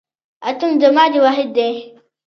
اتوم د مادې واحد دی